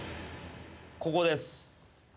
ここです。